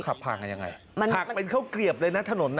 ขับผ่านกันยังไงขับเป็นเข้าเกรียบเลยนะถนนนะ